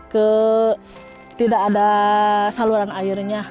ke tidak ada saluran airnya